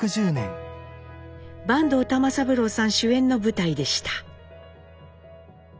坂東玉三郎さん主演の舞台でした。